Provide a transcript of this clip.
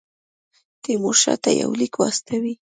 تیمورشاه ته یو لیک واستوي.